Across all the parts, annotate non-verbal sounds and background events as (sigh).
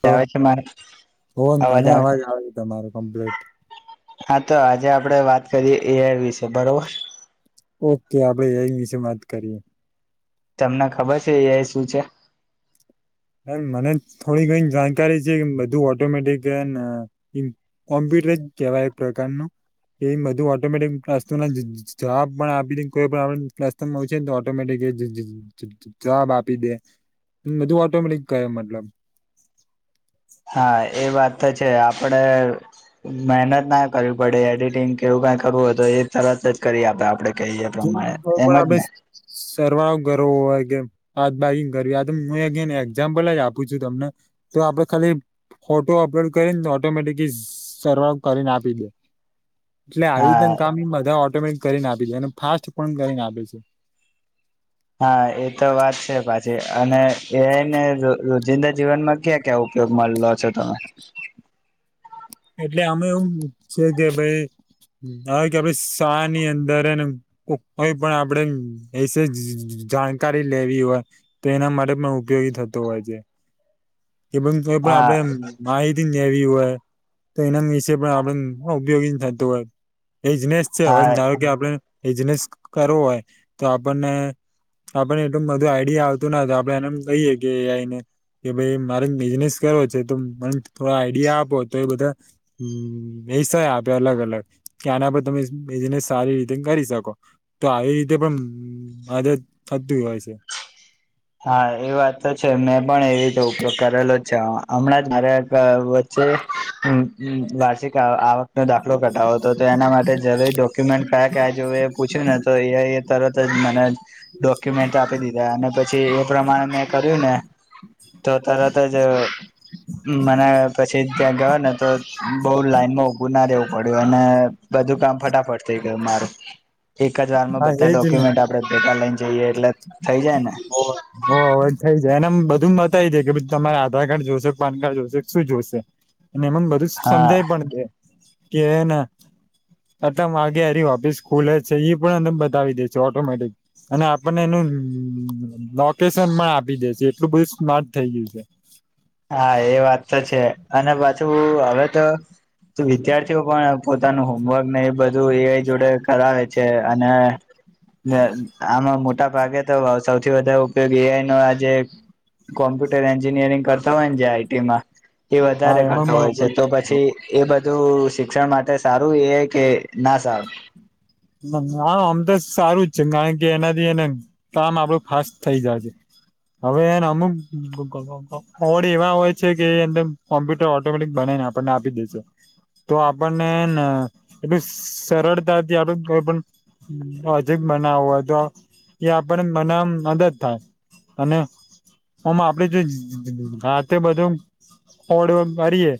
તો આવે છે મારે હો મને આવે છે અવાજ આવ્યો તમારું કમ્પ્લીટ હા તો આજે આપડે વાત કરીયએ એર વિશે બરોબર ઓકે આ ભાઈ એ વિશે મત કરીએ તમને ખબર છે એ શું છે મ મને થોડી ક જાણકારી છે કે બધું ઓટોમેટિક કોમ્પ કેવા એક પ્રકારનું એ બધું ઓટોમેટિક ક્લા જવાબ પણ આપી કોઈ પણ આપ ક્લામાં છે ને તો ઓટોમેટિક જવાબ આપી દે બધું ટોમેટિક ગયો મતલબ હા એ વાત તો છે આપણે મહેનત ના કરવી પડે એડિટિંગ કેવું કઈ કરવું હોય તો એ તરત જ કરી આપડે આપડે કહીએ જો પ્રમાણે એમ પણ જ આપડે ને સરવા ગર્વ હોય બાિંગ કરવી આ હુંન એઝામ્પલ જ આપું છું તમને તો આપડે ખાલી ફોટો અપલોડ કરીને ઓટોમેટિકલી સર્વાર કરીને આપી દે એટલે આવી રીને હા કામ એ બધા ઓટોમેટિક કરીને આપી છે અને ફાસ્ટ પણ કરીને આપે છે હા એતો વાત છે પાછી અને એને રોજિંદા જીવનમાં ક્યાં ક્યાં કક માલો છે તમે (inaudible) એટલે અમે એવું છે કે ભાઈ હ કે આપ શાહ ની અંદર એને કોઈ પણ આપડે એ જાણકારી લેવી હોય તો એના માટે પણ ઉપયોગી થતો હોય છે એ તોઈ પણ હા આપડણે માહિતી હોય તો એના વિશે પણ આપડ ઉપયોગી થતું હોય એઇઝનેસ છે હવે હા ધારો કે આપણે એઇઝનેસ કરવો હોય તો આપણને આપણે એટલું બધું આઈડિયા આવતું ના હત આપડે એનેમ કહીયે કે આઈને કે ભાઈ મારે બિઝનેસ કરવો છે તો મને થો આઈડિયા આપો તો એ બધા એસા આપે અલગ અલગ કે આના પર તમે બિનેસ સારી રીતે કરી શકો તો આવી રીતે પણ મદદ થતી હોય છે હા એ વાત તો છે મેં પણ એ રીતે ઉપયોગ કરેલો જ છે હમણાં જ મા તે વાષિક આવકનો દાખલો કટાવો હતો તો એના માટે જરૂરી ડોક્યુમેન્ટ કયા કયા જોવે એ પૂછ્યું ને તો એ એ તરત મને ડોક્યુમેન્ટ આપી દીધા અને પછી પછી એ પ્રમાણે મેં કર્યું ને તો તરત જ મને પછી ત્યાં ગયો ને તો બઉ લાઈનમાં ઉઊભું ના રહેવું પડ્યું અને બધું કામ ફટાફટ થઇ ગયું મારું એક જ વાર માં હા બધા એજ ને ડોક્યુમેન્ટ આપડે ભેટા લઈને જઈએ એટલે થઇ જાય ને હ હો હવે થઈ એને બધું બતાવી દે કે તમારે આધાર કાર્ડ જોશેો પાન કાર્ડ જોશેો શું જોશે અને એમને બધું હા સમજાય પણ દે કે ના આટલા વાગેારી ઓપીસ ખુલ જ છે એ પણ અ બતાવી દેશો ઓટોમેટિક અને આપણને એનું હમ લોકેશન માં આપી દે છે એટલું બધું સ્મર્ટ થઈ ગયું છે હા એ વાત તો છે અને પાછું હવે તો વિદ્યાર્થીઓ પણ પોતાનું હોમવર્ક ને એ બધું એ જોડે કરાવે છે અને આમાં મોટા ભાગે તો સૌથી વધારે ઉપયોગ એઆઈ નો આજે કોમ્પ્યુટર એન્જિનિયરિંગ કર ય છે આઈટીમાં એ હા વધારે કરતો એમાં હોય છે તો પછી એ બધ બધું શિક્ષણ માટે સારું એ કે ના સારું ના અમ તો સારું જ છે કારણ કે એનાથી એને કામ આપડું ફાસ્ટ થઇ જાય છે હવે એને અમુક ઓડ એવા હોય છે કે કોમ્પ્યુટર ઓટોમેટિક બના આપણને આપી દેજ તો આપણનેને એટલું સરળતાથી આપું કોઈ પણ હજીક બનાવું હોય તો એ આપણને બનાવવામાં મદદ થાય અનેને હમ આપડે જોતે બધું ફડ કરીએ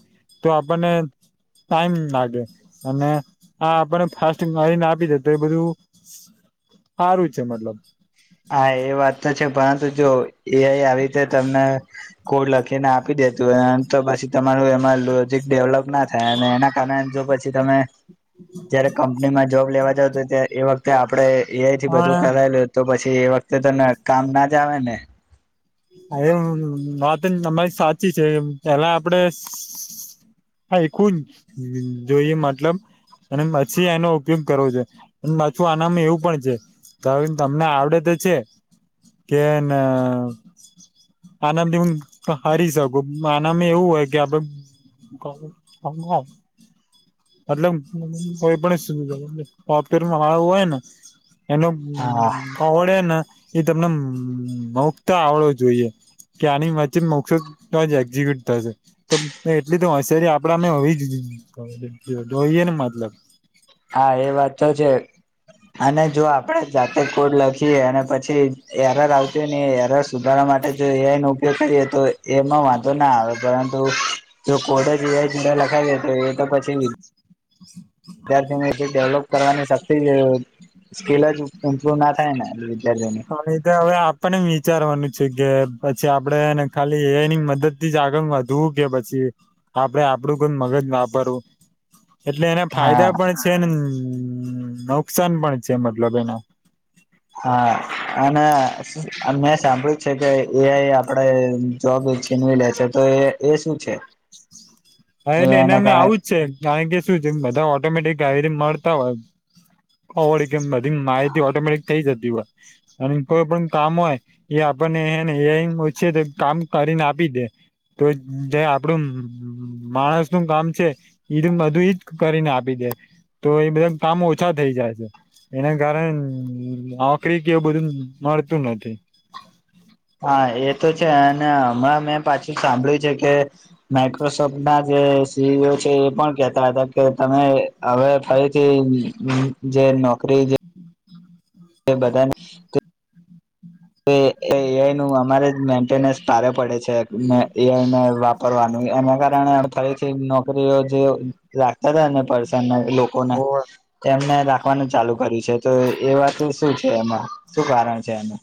તો આપણને ટાઈમ લાગે અને આ આપણને ફાસ્ટને તો એ બધું સારું છે મતલબ હા એ વાત તો છે પરંતુ જો એ આવી રીતે તમને કોડ લખીને આપી દેતુંમ તો પછી તમારું એમાં લોજિક ડેવલપ ના થાય અને એના કારણે જો પછી તમે જયારે કંપનીમાં જોબ લેવા જાવ તો ત્યારે એ વખતે આપડણે એઆઈથી બધું પણ કરાયેલું તો પછી એ વખતે તો કામ ના જ આવે ને હ એ વાત અમારી સાચી છે પેલા આપડે હા એું જ જોઈએ મતલબ અને પછી એનો ઉપયોગ કરવો છો માછું આનામ એવું પણ છે તો તમને આવડે તો છે કે આનાંદથી હું હરી શકું આનામ એવું હોય કે આપડે બ સમભાઈ (inaudible) મતલબ કોઈ પણફવેરમાંું હોય ને એનો હા ખવડે ને એ તમને મુક્ત આવડો જોઈએ કે આની વચ્ચે મોકશો તો જ એક્ઝિક્યુટ થશે તો એટલી તો હોશિયારી આપડામે હોવી જઈએ ઉહીએને મતલબ હા એ વાત તો છે અને જો આપડે જાતે કોડ લખી અને પછી એરર આવશે ને એરર સુધાર માટે જો એ ન ઉપયોગ કરીએ તો એમાં વાંધો ના આવે પરંતુ જો કોડ જીવા ચીડા લખાવ દે તો એ તો પછી નહી વિદ્યાર્થીને એ ડેવલોપ કરવાની શક્તિ સ્કીલ જ ઇમ્પ્રુવ ના થાય ને વિદ્યાર્થીઓને હા એ તો હવે આપણને વિચારવાનું છે કે પછી આપડેને ખાલી એની મદદ થી જ આગળ વધવું કે પછી આપડે આપડું કોઈ મગજ નાપરવું એટલે એના ફાયદા હા પણ છે ને હમ નુકસાન પણ છે મતલબ એનો હા અનેના મેં સાંભળ્યું છે કે એઆઈ આપડે જોબ છીનવી લે છે તો એ એ શું છે હા એટલે એને એઆઈને અમે કારણે આવું જ છે કારણ કે શું છે બધા ઓટોમેટિક કાય મળતા હોયળ કેમ બધી માહિતી ઓટોમેટિક થઈ જતી અને કોઈ પણ કામ હોય એ આપણને એ ઓછ તો કામ કરીને આપી દે તો જે આપડું માણસ નું કામ છે ઈજ બધું ઈજ કરીને આપી દે તો એ બધા કામ ઓછા થઈ જાય છે એના કારણે આકરી કેવ બધું મળડપ નથીથી હા એ તો છે અને હમણાં મેં પાછું સાંભળ્યું છે કે માઈક્રોસોફ્ટ ના જે ી છે એ પણ કેતા હતા કે તમે હવે ફરીથી જે નોકરી જે એ બધને એઆઈ નું અમારે જ મેન્ટેનન્સ ભારે પડે છે એઆઈને વાપરવાનું એના કારણે ફરીથી નોકરીઓ જે લાગતા હતાાય પસા એ લોકોને હા તેમમને રાખવાનું ચાલુ કર્યું છે તો એ વાત શું છે એમાં શું કારણ છે એનું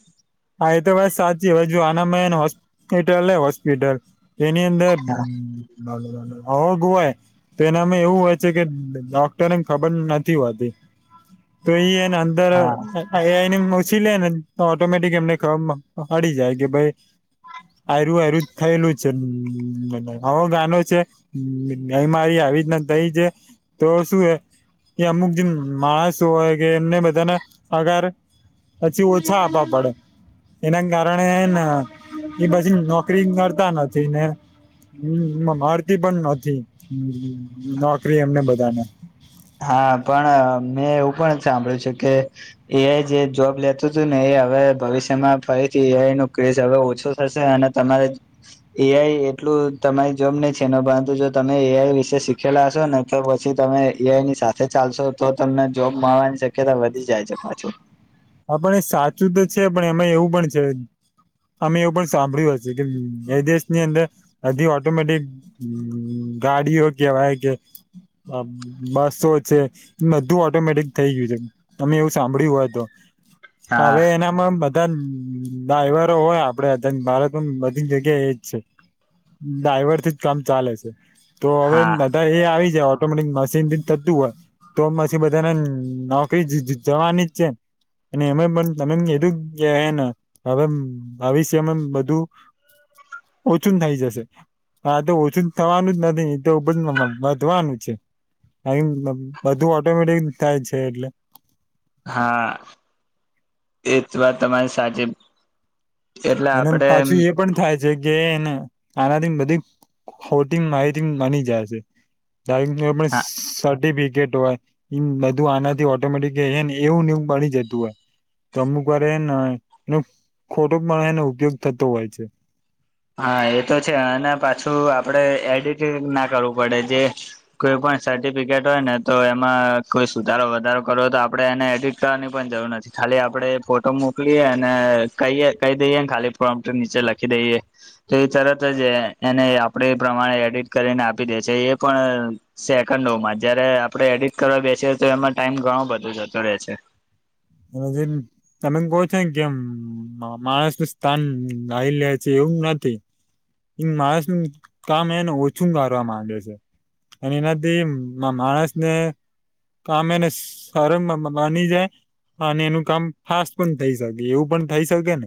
હા એ તો બસ સાચી જો આનામયાનું હોસ્પિટલ હોસ્પિટલ તેની અંદર આવગ હોય તો એનામાં એવું હોય છે કે ડોક્ટરને ખબર નથી હોતી તો એ એને અંદરને હા ઓછી લે ને ઓટોમેટ કે એમને ખ હડી જાય કે ભાઈ આરું આરું થયેલું છે હો ગાનો છે અમારી આવે આવી રીતના થઈ છે તો શું હ એ અમુક જે માણસો હોય કે એમને બધાને આગાર પછી ઓછા આ પડે એના કારણેને એ પછી નોકરી કરતા નથી ને હમ મળરતી પણ નથી નોકરી એમને બધાને હા પણ મેં એવું પણ સાંભળ્યું છે કે એ જે જોબ લેતું હતું ને એ હવે ભવિષ્યમાં ફરીથી એઆઈ નું ક્રીઝ હવે ઓછો થશે અને તમારે એઆઈ એટલું તમારી જોબ નહી છે એ પરંતુ જો તમે એઆઈ વિશે શીખેલા હશો ને તો પછી તમે સીઆઈની સાથે ચાલશો તો તમને જોબ મળવાની શક્યતા વધી જાય છે પાછું હા પણ એ સાચું તો છે પણ એમાં એવું પણ છે અમે એવું પણ સાંભળ્યું હશે કે એ દેશની અંદર હધ ઓટોમેટિક ગાડીઓ કેવા કે હ બસો છે બધું ઓટોમેટિક થઈ ગયું છે તમે એવું સાંભળ્યું હોય તો હા હવે એનામાં બધા ધ નાહેવારો હોય આપડે ભારત બધી જગ્યા એજ છે ડાઈવરથી જ કામ ચાલે છે તો હવે હા બધા એ આવી જાય ઓટોમેટિક મ ચિંતિત થતું હોય તો પછી બધાને નોકરી જવાની જ છે અને એમે પણ તમે કધું હ આવી છેમે બધું ઓછું થઈ જશે હા તો ઓછું થવાનું જ નથી તો વધવાનું છે બધું ઓટોમેટિક થાય છે એટલે હા એ જ વાત તમારી સાચ અને પાછું એ પણ થાય છે કે એને આનાથી બધી હોટીંગ માહિતીંગ બની જાય છે ડાઈવિંગ સા બી ટ હોય નધું આનાથી ઓટોમેટિક એવું નું બની જતું હોય તો અમુક વાે એને એનો ખોટો પણ એનો ઉપયોગ થતો હોય છે હા એ તો છે અને પાછું આપડે એડિટંગ ના કરવું પડે જે કોઈ પણ સર્ટિફિકેટ હોય ને તો એમાં કોઈ સુધારો વધારો કરવો તો આપણે એને એડમિટ કરવાની પણ જરૂર નથી ખાલી આપડે ફોટો મોકલીએ અને કહીએ કહી દઈએ ને ખાલી ફોર્મ નીચે લખી દઈએ તો એ તરત જ એને આપડે એ પ્રમાણે એડિટ કરીને આપી દે છે એ પણ સેકન્ડોમાં જયારે આપણે એડિટ કરવા બેસીએ તો એમાં ટાઈમ ઘણો બધો જતો રહે છે (inaudible) અને જે તમે કહો છો ને કેમ માણસ નું સ્થાન લાવ લે છે એવું નથી માણસ નું કામ એને ઓછું કરવા માંગે છે અને એનાથી માણસ ને કમે એને સાર માની જાય ા અને એનું કામ ફાસ્ટ પણ થઇ શકે એવું પણ થઈ શકે ને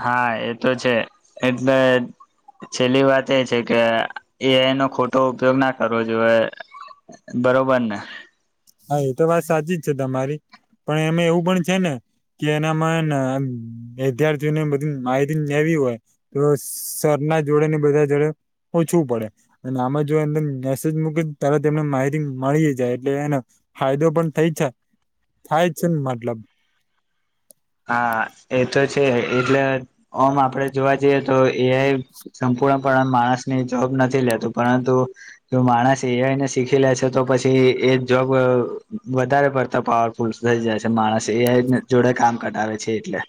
હા એ તો છે એટલે છેલ્લી વાત એ છે કે એ એનો ખોટો ઉપયોગ ના કરવો જોઈએ બરોબર ને હા એ તો વાત સાચી જ છે તમારી પણ એમાં એવું પણ છે ને કે એનામાંને વિધ્યાર્થીઓને બધ માહિતી લવી હોય તો સરના જોડે ને બધા જોડે ઓછું પડે અને આમાં જો એમ મેસેજ મૂકી ત્યારે તેમને માહિતી મળી જાય એટલેને ફાયદો પણ થાય છે થાય છે ને મતલબ હા એ તો છે એટલે ઓમ આપડે જોવા જઈએ તો એઆ સંપૂર્ણ પણ માણસ ની જોબ નથી લેતું પરંતુ જો માણસ એને શીખી લે છે તો પછી એ જોબ વધારે પડતા પાવરફુલ થઈ જશે માણસ એ જોડે કામ કટાવે છે એટલે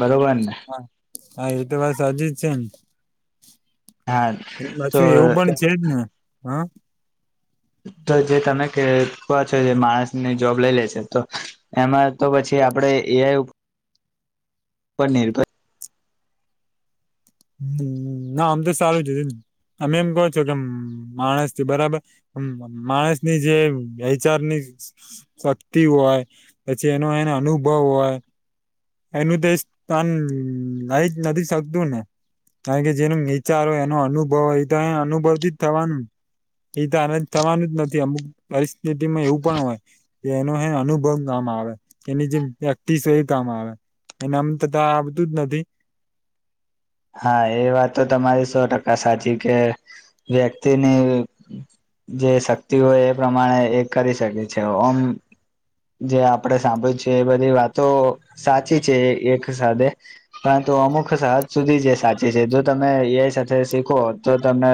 બરોબર ને હા હા એ તો બસ હજી જ છે ને હા એ તો પાછું એવું પણ છેજ ને હા તો જે તમે ક છો જે માણસની જોબ લઈ લેશે તો એમાં તો પછી આપણેે એ પને ર હ ના આમ તો સારું જશે ને અમે એમ કહો છો કે માણસ બરાબર માણસની જે વચારની શક્તિ હોય પછી એનો એનો અનુભવ હોય એનું દ સ્ન ન નથી શકતું ને કારણ કે જેનો નીચાર હોય એનો અનુભવ હો તો અનુભવથી જ થવાનું એ તો આનંદ થવાનું જ નથી અમુક પરિસ્થિતિમાં એવું પણ હોય કે એનો અનુભવ ગ આવે એની જેમ પ્રેક્ટિસ હોય એ કામ આવે એને આમ તો તો આ બધું જ નથી હા એ વાત તો તમારી સો ટકા સાચી કે વ્યક્તિની જે શક્તિ હોય એ પ્રમાણે એ કરી શકે છે ઓમ જે આપડે સાંભળી છે એ બધી વાતો સાચી છે એક સાથે પણ તો અમુખ સા સુધી જે સાચી છે જો તમે એઆઈ સાથે શીખો તો તમને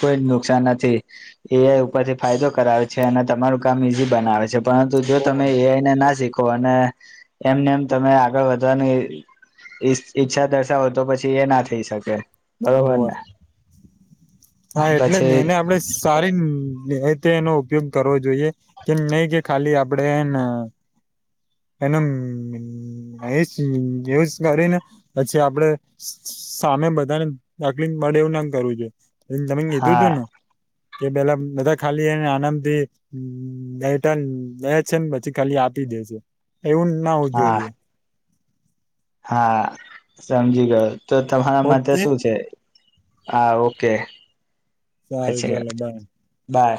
કોઈ નુકસાન નથી એઆઈ ઉપરથી ફાયદો કરાવે છે અને તમારું કામ ઈઝી બનાવે છે પરંતુ જો તમે હોવે એઆઈને ના શીખો અને એમને એમ તમે આગળ વધવાની ઈચ્છા દર્શાવો તો પછી એ ના થઈ શકે ઓ બરોબર ને હા એટલે પછી એને આપડે સારી તે એનો ઉપયોગ કરવો જોઈએ કેમ નહી કે ખાલી આપણેે એન યુઝ કરી ને પછી આપડે સામે બધાને માટેે એવું ના કરવું જોઈએ તમે કીધું હા તું ને કે પેલા બધા ખાલી એને આનંદ થી લે છે ને પછી ખાલી આપી દે છે એવું ના હોવું હા જોઈએ હા સમજી ગયો તો તમારા માટે ઓકે શું છે હા ઓકે સારું પછી ચાલો બાય બાય